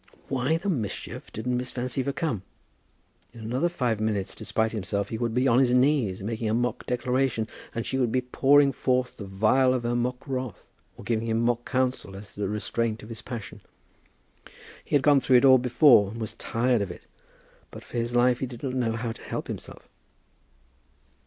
Why the mischief didn't Miss Van Siever come! In another five minutes, despite himself, he would be on his knees, making a mock declaration, and she would be pouring forth the vial of her mock wrath, or giving him mock counsel as to the restraint of his passion. He had gone through it all before, and was tired of it; but for his life he did not know how to help himself.